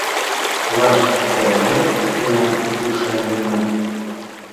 Лач тыланет гына ӱшанена.